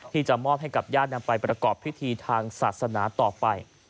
ที่จะมอบให้กับญาตินำไปประกอบพิธีทางศาสนาต่อไป